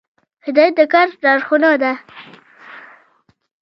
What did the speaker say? هدایت د کار لارښوونه ده